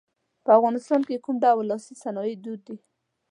په افغانستان کې کوم ډول لاسي صنایع دود دي.